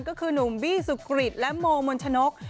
ก็คือหนุ่มบี้สุกริตและโมมนชนก